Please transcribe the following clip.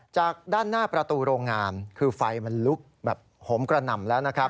จากด้านหน้าประตูโรงงานคือไฟมันลุกแบบโหมกระหน่ำแล้วนะครับ